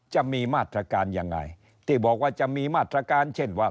จะมีมาตรการยังไงที่บอกว่าจะมีมาตรการเช่นว่า